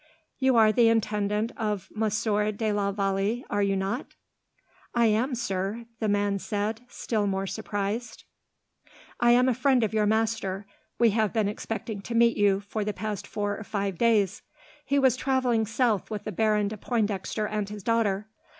"You are the intendant of Monsieur de la Vallee, are you not?" "I am, sir," the man said, still more surprised. "I am a friend of your master. We have been expecting to meet you, for the past four or five days. He was travelling south with the Baron de Pointdexter and his daughter.